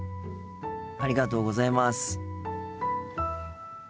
ありがとうございます。